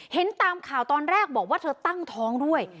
เห็นตามข่าวตอนแรกบอกว่าเธอตั้งท้องด้วย